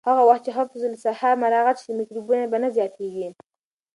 هغه وخت چې حفظ الصحه مراعت شي، میکروبونه به نه زیاتېږي.